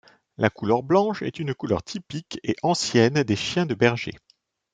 La couleur blanche est une couleur typique et ancienne des chiens de berger.